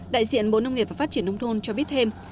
đại diện bộ nông nghiệp và phát triển nông thôn cho biết thêm